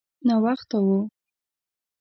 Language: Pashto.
ناوخته و.